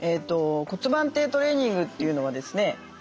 骨盤底トレーニングというのはですね